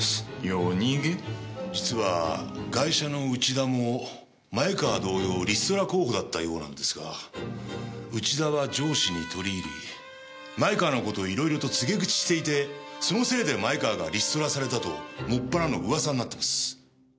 実はガイシャの内田も前川同様リストラ候補だったようなんですが内田は上司に取り入り前川の事をいろいろと告げ口していてそのせいで前川がリストラされたともっぱらの噂になってます。